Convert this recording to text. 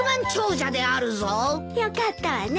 よかったわね